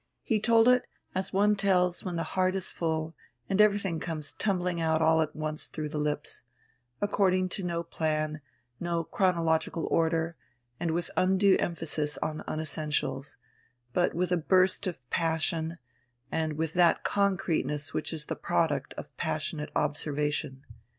He told it as one tells when the heart is full and everything comes tumbling out all at once through the lips; according to no plan, no chronological order, and with undue emphasis on unessentials, but with a burst of passion, and with that concreteness which is the product of passionate observation.